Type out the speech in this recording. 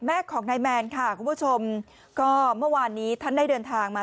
แม่ของนายแมนค่ะคุณผู้ชมก็เมื่อวานนี้ท่านได้เดินทางมา